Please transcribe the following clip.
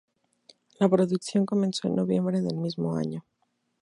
La producción comenzó en noviembre del mismo año.